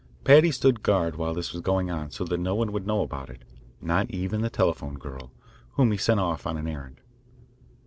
Paddy stood guard while this was going on so that no one would know about it, not even the telephone girl, whom he sent off on an errand.